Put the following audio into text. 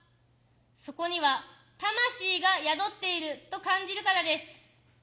そこには魂が宿っていると感じるからです。